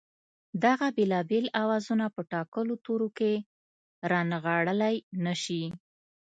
دغه بېلابېل آوازونه په ټاکلو تورو کې رانغاړلای نه شي